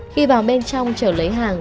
khi vào bên trong chở lấy hàng